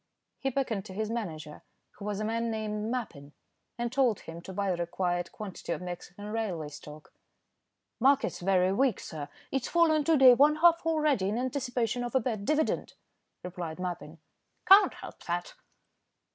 He beckoned to his manager, who was a man named Mappin, and told him to buy the required quantity of Mexican railway stock. "Market's very weak, sir. It's fallen to day one half already in anticipation of a bad dividend," replied Mappin. "Can't help that."